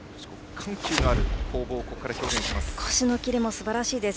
緩急のある攻防をここから表現します。